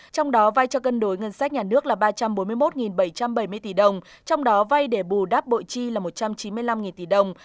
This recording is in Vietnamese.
trong đó vay cho cân đối ngân sách nhà nước là ba trăm bốn mươi một bảy trăm bảy mươi tỷ đồng trong đó vay để bù đáp bộ chi là một trăm chín mươi năm tỷ đồng